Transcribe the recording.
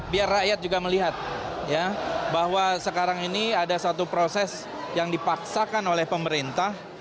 biar rakyat juga melihat bahwa sekarang ini ada satu proses yang dipaksakan oleh pemerintah